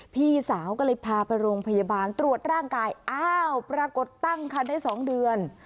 พี่สาวก็เลยพาไปโรงพยาบาลตรวจร่างกายอ้าวปรากฏตั้งคันได้๒เดือน